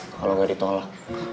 kalau gak ditolak